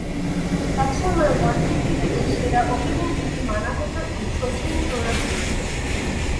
একসময় ওয়ানডে ক্রিকেটে সেরা ওপেনিং জুটি মানা হতো এই শচীন সৌরভ জুটিকেই।